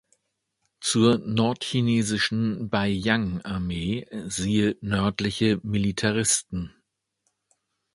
Zur nordchinesischen Beiyang-Armee siehe Nördliche Militaristen.